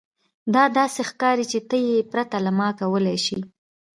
دا داسې ښکاري چې ته یې پرته له ما کولی شې